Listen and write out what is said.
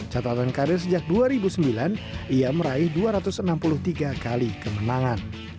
catatan karir sejak dua ribu sembilan ia meraih dua ratus enam puluh tiga kali kemenangan